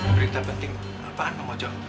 berita penting apaan mang ojo